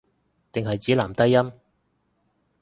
定係指男低音